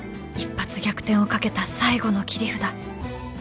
一発逆転をかけた最後の切り札